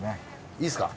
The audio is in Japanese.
いいっすか？